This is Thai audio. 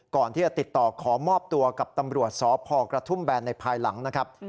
ก่อนที่จะติดต่อขอมอบตัวกับตำรวจสพกระทุ่มแบนในภายหลังนะครับ